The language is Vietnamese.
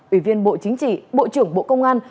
ủy viên bộ chính trị bộ trưởng bộ công an